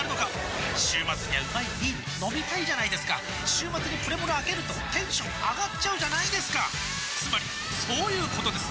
週末にはうまいビール飲みたいじゃないですか週末にプレモルあけるとテンション上がっちゃうじゃないですかつまりそういうことです！